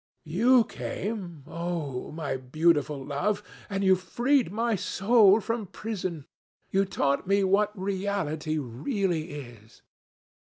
You came—oh, my beautiful love!—and you freed my soul from prison. You taught me what reality really is.